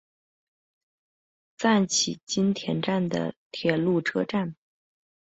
赞岐津田站的铁路车站。